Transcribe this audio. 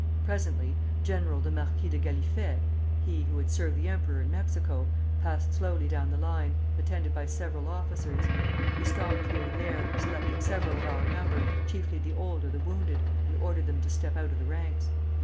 Presently General the Marquis de Gallifet (he who had served the emperor in Mexico) passed slowly down the line, attended by several officers. He stopped here and there, selecting several of our number, chiefly the old or the wounded, and ordered them to step out of the ranks.